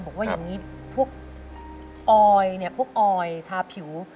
บอกว่าอย่างนี้พวกออยเนี่ยพวกออยทาผิว